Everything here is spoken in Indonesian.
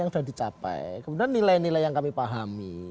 yang sudah dicapai kemudian nilai nilai yang kami pahami